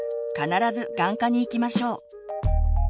必ず眼科に行きましょう。